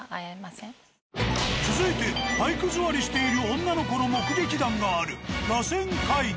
続いて体育座りしている女の子の目撃談がある螺旋階段。